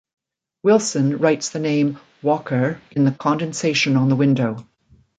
Wilson writes the name 'Walker' in the condensation on the window.